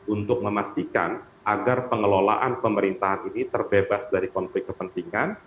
untuk memastikan agar pengelolaan pemerintahan ini terbebas dari konflik kepentingan